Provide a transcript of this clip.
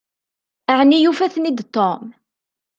Ɛni yufa-ten-id Tom?